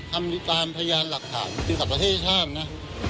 ทำตามทะเย้านหลักฐานอยู่กับประเทศชาตินะ